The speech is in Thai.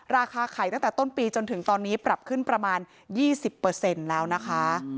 ราคาไข่ตั้งแต่ต้นปีจนถึงตอนนี้ปรับขึ้นประมาณ๒๐แล้วนะคะ